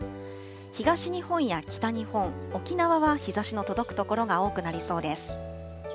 東日本や北日本、沖縄は日ざしの届く所が多くなりそうです。